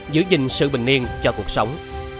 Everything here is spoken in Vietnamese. giữ gìn sự bình yên cho cuộc sống